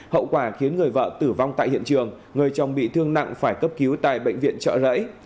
hậu quả khiến người vợ tử vong tại hiện trường người chồng bị thương nặng phải cấp cứu tại bệnh viện trợ rẫy